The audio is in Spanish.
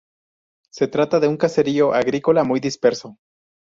Se trata de un caserío agrícola muy disperso.